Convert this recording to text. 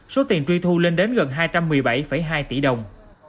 số tiền truy thu lên đến gần hai trăm một mươi bảy hai tỷ đồng